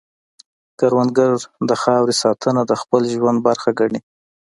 کروندګر د خاورې ساتنه د خپل ژوند برخه ګڼي